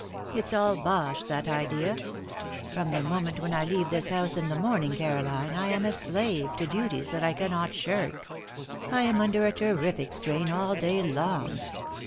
It's all bosh, that idea. From the moment when I leave this house in the morning, Caroline, I am a slave to duties that I cannot shirk. I am under a terrific strain all day long.